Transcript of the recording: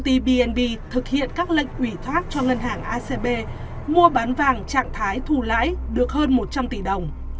đối với hành vi trốn thuế năm hai nghìn chín công ty bnb thực hiện các lệnh quỷ thoát cho ngân hàng acb mua bán vàng trạng thái thù lãi được hơn một trăm linh tỷ đồng